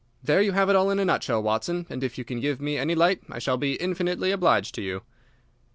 There you have it all in a nutshell, Watson, and if you can give me any light I shall be infinitely obliged to you."